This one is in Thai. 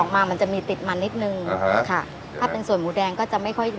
มามันจะมีติดมันนิดนึงค่ะถ้าเป็นส่วนหมูแดงก็จะไม่ค่อย